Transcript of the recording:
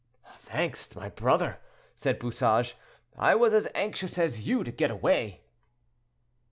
"Thanks, my brother," said Bouchage; "I was as anxious as you to get away."